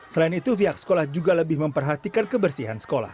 selain itu pihak sekolah juga lebih memperhatikan kebersihan sekolah